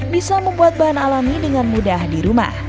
bisa membuat bahan alami dengan mudah di rumah